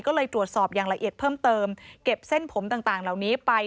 ก็เลยตรวจสอบอย่างละเอียดเพิ่มเติมเก็บเส้นผมต่างเหล่านี้ไป